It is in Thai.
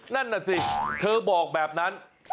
นั่นน่ะสิเธอบอกแบบนั้น